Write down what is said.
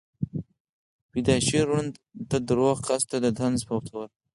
پېدائشي ړوند ته دَروغ کس ته دطنز پۀ طور